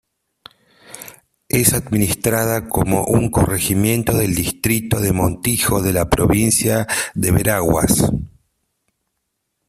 Es administrada como un corregimiento del distrito de Montijo de la provincia de Veraguas.